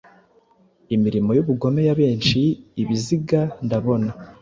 imirimo y'ubugome Ya benshi Ibiziga ndabona,